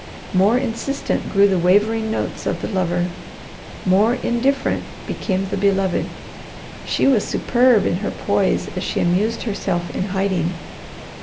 More insistent grew the wavering notes of the lover. More indifferent became the beloved. She was superb in her poise as she amused herself in hiding.